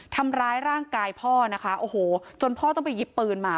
ทำร้ายร่างกายพ่อนะคะโอ้โหจนพ่อต้องไปหยิบปืนมา